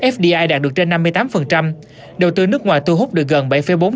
fdi đạt được trên năm mươi tám đầu tư nước ngoài thu hút được gần bảy bốn tỷ usd